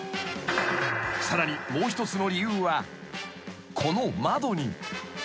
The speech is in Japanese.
［さらにもう一つの理由はこの窓に］